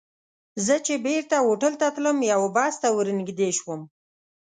زه چې بېرته هوټل ته تلم، یوه بس ته ور نږدې شوم.